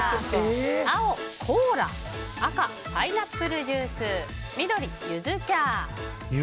青、コーラ赤、パイナップルジュース緑、ユズ茶。